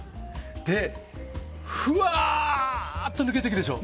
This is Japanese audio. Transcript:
で、ふわーっと抜けていくでしょ。